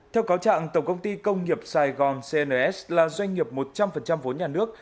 theo cáo trạng tổng công ty công nghiệp sài gòn cns là doanh nghiệp một trăm linh vốn nhà nước